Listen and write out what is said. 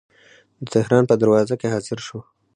د تهران په دروازه کې حاضر شو.